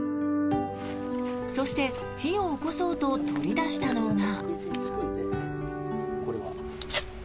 そして、火を起こそうと取り出したのが。